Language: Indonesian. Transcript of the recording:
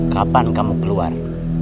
kapan kamu keluar